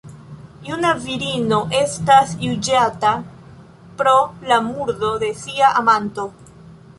Juna virino estas juĝata pro la murdo de sia amanto.